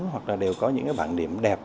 hoặc là đều có những cái bảng điểm đẹp